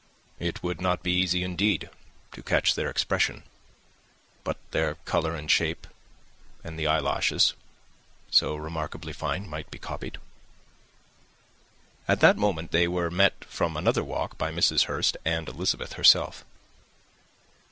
"It would not be easy, indeed, to catch their expression; but their colour and shape, and the eyelashes, so remarkably fine, might be copied." At that moment they were met from another walk by Mrs. Hurst and Elizabeth herself.